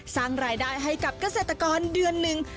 สร้างรายได้ให้กับเกษตรกรเดือนหนึ่ง